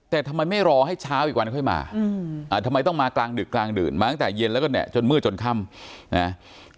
แต่ทำไมไม่รอให้เช้าอีกวันค่อยมาทำไมต้องมากลางดึกกลางดื่นมาตั้งแต่เย็นแล้วก็เนี่ยจนมืดจนค่ำนะ